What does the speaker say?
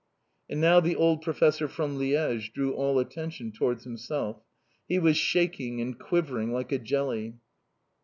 And now the old professor from Liège drew all attention towards himself. He was shaking and quivering like a jelly.